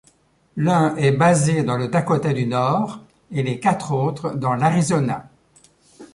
L'un est basé dans le Dakota du Nord et les quatre autres dans l'Arizona.